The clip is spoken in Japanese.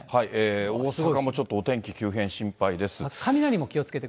大阪もちょっとお天気急変心配です。